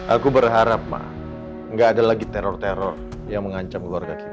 aku berharap pak nggak ada lagi teror teror yang mengancam keluarga kita